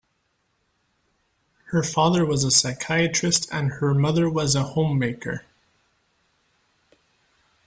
Her father was a psychiatrist and her mother was a homemaker.